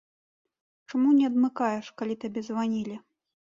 Чаму не адмыкаеш, калі табе званілі?